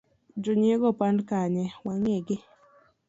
jonyiego opand kanye wangegi?